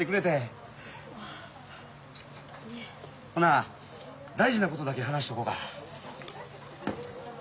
ほな大事なことだけ話しとこか。